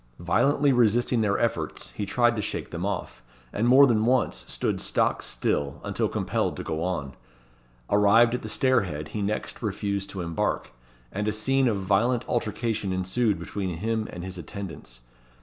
Violently resisting their efforts, he tried to shake them off, and more than once stood stock still, until compelled to go on. Arrived at the stairhead, he next refused to embark, and a scene of violent altercation ensued between him and his attendants.